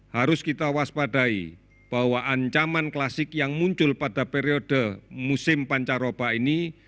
harus kita waspadai bahwa ancaman klasik yang muncul pada periode musim pancaroba ini